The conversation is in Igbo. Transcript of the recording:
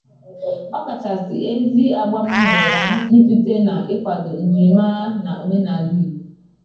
ọkachasị ezi agbam mbọ ya n'itute na ịkwàdò njirimara na omenal Igbo